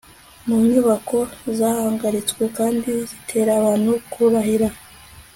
mu nyubako zahagaritswe kandi bitera abantu kurahira